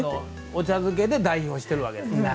お茶漬けで代表しているわけですね。